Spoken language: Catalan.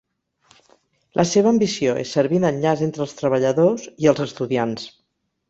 La seva ambició és servir d'enllaç entre els treballadors i els estudiants.